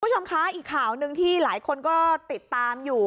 คุณผู้ชมคะอีกข่าวหนึ่งที่หลายคนก็ติดตามอยู่